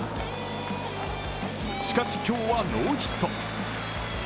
しかし今日はノーヒット。